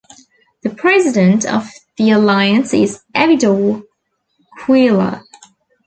The president of the alliance is Evidor Quiela.